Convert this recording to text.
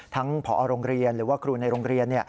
ผอโรงเรียนหรือว่าครูในโรงเรียน